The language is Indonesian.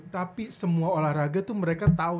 tapi semua olahraga tuh mereka tahu